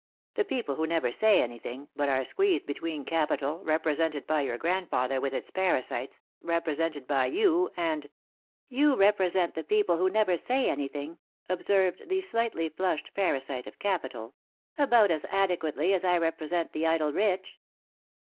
The people who never say anything, but are squeezed between capital, represented by your grandfather, with its parasites, represented by you, and " "You represent the people who never say anything," observed the slightly flushed parasite of capital, "about as adequately as I represent the idle rich."